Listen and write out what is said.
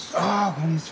こんにちは。